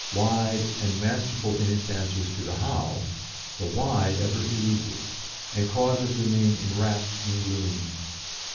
Wide and masterful in its answers to the 'How?' the 'Why?' ever eludes it, and causes remain enwrapped in gloom.